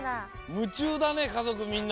むちゅうだねかぞくみんな。